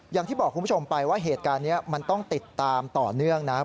อย่างที่บอกคุณผู้ชมไปว่าเหตุการณ์นี้มันต้องติดตามต่อเนื่องนะครับ